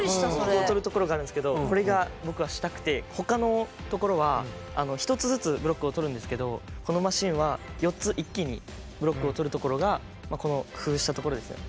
こう取るところがあるんすけどこれが僕はしたくて他のところは一つずつブロックを取るんですけどこのマシンは４つ一気にブロックを取るところがこの工夫したところですね。